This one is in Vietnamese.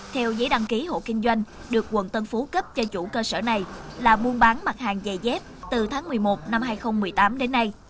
theo giấy đăng ký hộ kinh doanh được quận tân phú cấp cho chủ cơ sở này là buôn bán mặt hàng giày dép từ tháng một mươi một năm hai nghìn một mươi tám đến nay